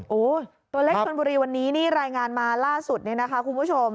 โอ้โหตัวเล็กชนบุรีวันนี้นี่รายงานมาล่าสุดเนี่ยนะคะคุณผู้ชม